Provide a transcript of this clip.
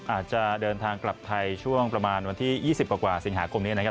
อาจจะเดินทางกลับไทยช่วงประมาณวันที่๒๐กว่าสิงหาคมนี้นะครับ